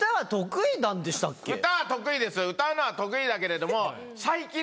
歌は得意ですよ歌うのは得意だけれども。